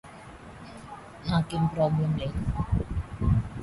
The discussion on StackExchange provides a couple of useful examples.